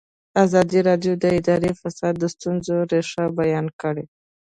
ازادي راډیو د اداري فساد د ستونزو رېښه بیان کړې.